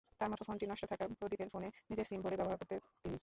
তাঁর মুঠোফোনটি নষ্ট থাকায় প্রদীপের ফোনে নিজের সিম ভরে ব্যবহার করতেন তিনি।